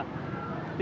tidak ada kalau nanti